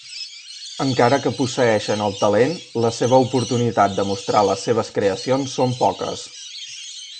Encara que posseeixen el talent, la seva oportunitat de mostrar les seves creacions són poques.